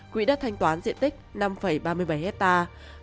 quỹ đất thanh toán diện tích năm ba mươi bảy hectare